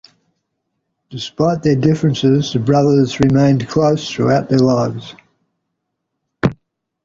Despite their differences, the brothers remained close throughout their lives.